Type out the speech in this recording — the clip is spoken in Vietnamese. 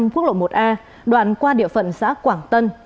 ba trăm ba mươi một hai trăm linh quốc lộ một a đoạn qua địa phận xã quảng tân